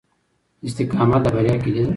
استقامت د بریا کیلي ده.